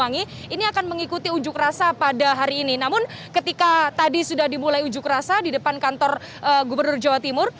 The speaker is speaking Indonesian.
namun ketika tadi sudah dimulai ujuk rasa di depan kantor gubernur jawa timur